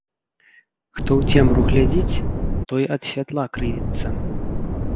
Хто ў цемру глядзіць, той ад святла крывіцца